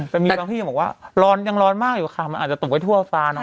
แต่มีบางที่บอกว่ายังร้อนมากอยู่ค่ะมันอาจจะตกไว้ทั่วฝ้าเนาะ